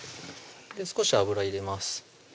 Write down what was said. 少し油入れます